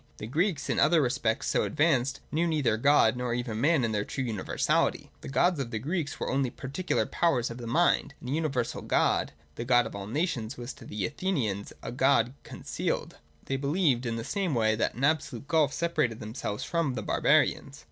The Greeks, in other respects so advanced, knew neither God nor even man in their true universality. The gods of the Greeks were only particular powers of the mind ; and the universal God, the God of all nations, was to the Athenians still a God concealed. They believed in the same way that an absolute gulf separated themselves from the barbarians.